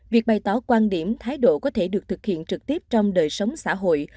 việc bày tỏ quan điểm thái độ có thể được thực hiện trực tiếp trong đời sống xã hội